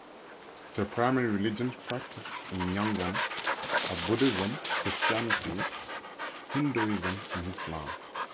The primary religions practiced in Yangon are Buddhism, Christianity, Hinduism, and Islam.